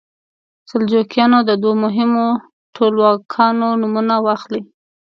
د سلجوقیانو د دوو مهمو ټولواکانو نومونه واخلئ.